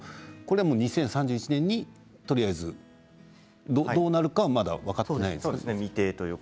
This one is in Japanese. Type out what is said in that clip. ２０３１年に、とりあえずどうなるかまだ分かっていないですね。